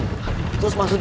terus masuk jalan nggak ada